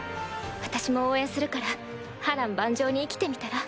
私も応援するから波乱万丈に生きてみたら？